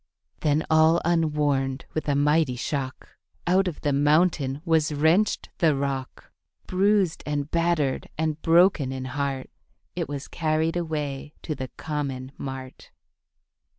Then all unwarned, with a mighty shock Out of the mountain was wrenched the rock; Bruised and battered, and broken in heart It was carried away to the common mart.